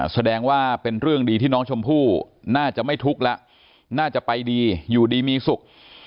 แสดงว่าเป็นเรื่องดีที่น้องชมพู่น่าจะไม่ทุกข์แล้วน่าจะไปดีอยู่ดีมีสุข